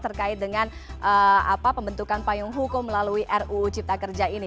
terkait dengan pembentukan payung hukum melalui ruu cipta kerja ini